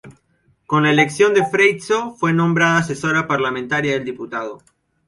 Con la elección de Freixo, fue nombrada asesora parlamentaria del diputado.